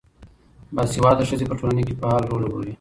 باسواده ښځې په ټولنه کې فعال رول لوبوي.